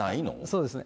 そうですね。